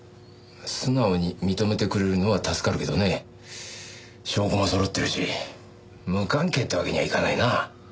素直に認めてくれるのは助かるけどね証拠も揃ってるし無関係ってわけにはいかないな。